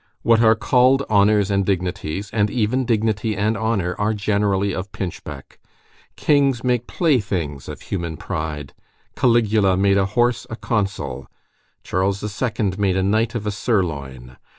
What are called honors and dignities, and even dignity and honor, are generally of pinchbeck. Kings make playthings of human pride. Caligula made a horse a consul; Charles II. made a knight of a sirloin.